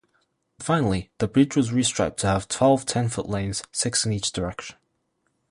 Finally, the bridge was restriped to have twelve ten-foot lanes, six in each direction.